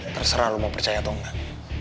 terserah lo mau percaya atau enggak